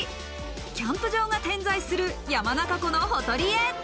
キャンプ場が点在する山中湖のほとりへ。